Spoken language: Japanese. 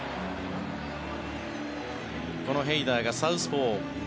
このヘイダーがサウスポー。